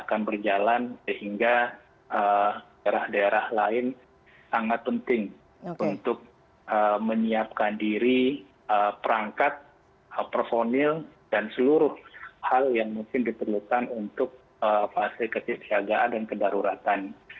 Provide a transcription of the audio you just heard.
akan berjalan sehingga daerah daerah lain sangat penting untuk menyiapkan diri perangkat personil dan seluruh hal yang mungkin diperlukan untuk fase kesisiagaan dan kedaruratan